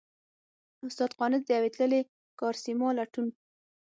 استاد قانت؛ د يوې تللې کارېسما لټون!